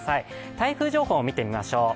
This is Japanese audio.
台風情報を見てみましょう。